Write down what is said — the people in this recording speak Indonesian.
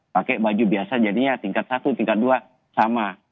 pakai baju biasa jadinya tingkat satu tingkat dua sama